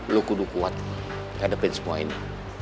lo kudu kuat hadapin semua ini